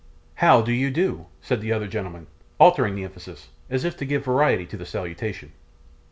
'HOW do you do?' said the other gentleman, altering the emphasis, as if to give variety to the salutation.